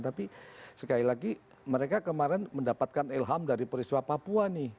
tapi sekali lagi mereka kemarin mendapatkan ilham dari peristiwa papua nih